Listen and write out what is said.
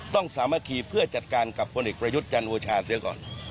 สามัคคีเพื่อจัดการกับพลเอกประยุทธ์จันทร์โอชาเสียก่อน